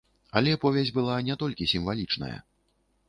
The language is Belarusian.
Але повязь была не толькі сімвалічная.